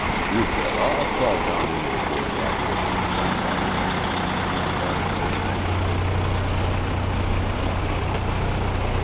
"You bet! I'll call down any of the boys I hear getting funny about Ingram," Babbitt said affectionately to his dear friend Doane.